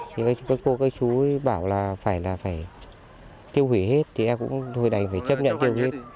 thì các cô các chú bảo là phải tiêu hủy hết thì em cũng hồi đành phải chấp nhận tiêu hủy hết